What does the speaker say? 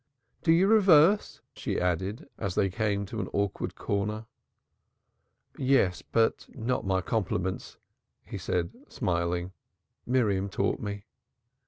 Do you reverse?" she added, as they came to an awkward corner. "Yes but not my compliments," he said smiling. "Miriam taught me."